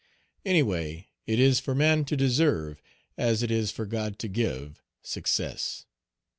Any way it is for man to deserve, as it is for God to give, success.